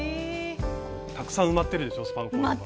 たくさん埋まってるでしょスパンコールが。